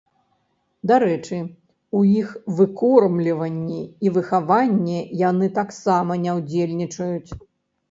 Дарэчы, у іх выкормліванні і выхаванні яны таксама не ўдзельнічаюць.